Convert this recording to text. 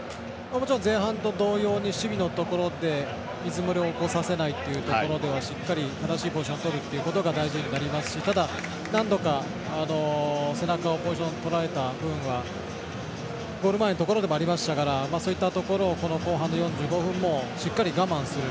もちろん前半と同様に守備のところでリズムを崩させないっていうところでは正しいポジション取るっていうことが大事になりますし何度か、背中をとられた部分はゴール前のところでもありましたからこの後半の４５分もしっかり我慢する。